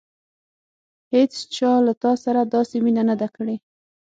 هېڅچا له تا سره داسې مینه نه ده کړې.